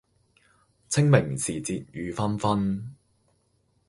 清明時節雨紛紛